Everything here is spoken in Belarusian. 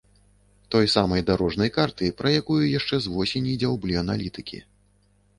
Той самай дарожнай карты, пра якую яшчэ з восені дзяўблі аналітыкі.